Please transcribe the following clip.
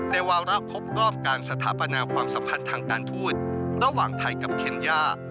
วาระครบรอบการสถาปนาความสัมพันธ์ทางการทูตระหว่างไทยกับเคนย่า